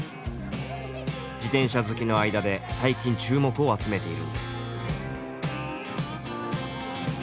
自転車好きの間で最近注目を集めているんです。